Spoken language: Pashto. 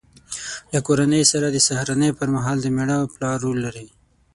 له کورنۍ سره د سهارنۍ پر مهال د مېړه او پلار رول لري.